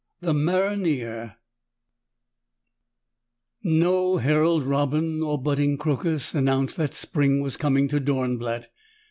5: THE "MARONNIER" No herald robin or budding crocus announced that spring was coming to Dornblatt.